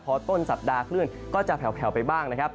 พอต้นสัปดาห์คลื่นก็จะแผลวไปบ้างนะครับ